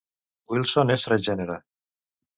Wilson és transgènere.